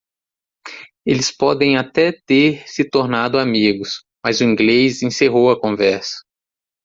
Eles podem até ter se tornado amigos?, mas o inglês encerrou a conversa.